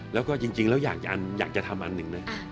แล้วก็จริงแล้วอยากจะทำอันหนึ่งนะ